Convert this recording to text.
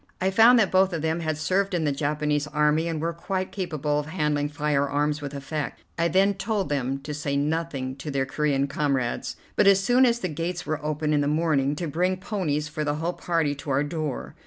I found that both of them had served in the Japanese army and were quite capable of handling firearms with effect. I then told them to say nothing to their Corean comrades, but, as soon as the gates were open in the morning, to bring ponies for the whole party to our door.